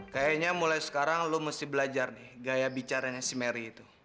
kayaknya mulai sekarang lo mesti belajar nih gaya bicaranya si mary itu